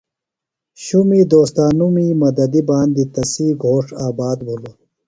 شُمی دوستانومیۡ مددی باندیۡ تسیۡ گھوݜٹ آباد بِھلوۡ۔